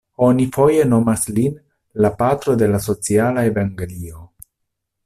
Oni foje nomas lin "la Patro de la Sociala Evangelio".